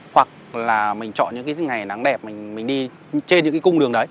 hoặc là mình chọn những cái ngày nắng đẹp mình đi trên những cái cung đường đấy